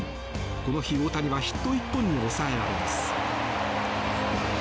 この日、大谷はヒット１本に抑えられます。